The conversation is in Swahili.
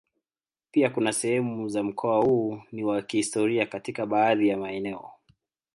Pia kuna sehemu za mkoa huu ni wa kihistoria katika baadhi ya maeneo.